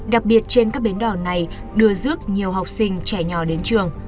đặc biệt trên các bến đò này đưa dước nhiều học sinh trẻ nhỏ đến trường